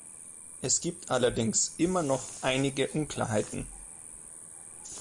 Es gibt allerdings immer noch einige Unklarheiten.